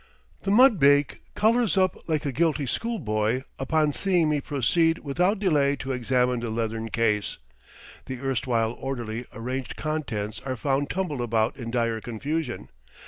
The mudbake colors up like a guilty school boy upon seeing me proceed without delay to examine the leathern case. The erstwhile orderly arranged contents are found tumbled about in dire confusion.